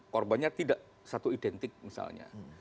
korbannya tidak satu identik misalnya